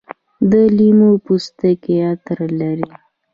د لیمو پوستکي عطر لري.